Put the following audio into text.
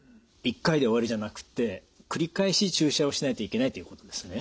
１回で終わりじゃなくて繰り返し注射をしないといけないということですね。